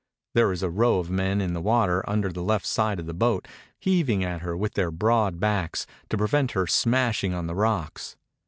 There is a row of men in the water under the left side of the boat, heaving at her with their broad backs, to prevent her smashing on the rocks.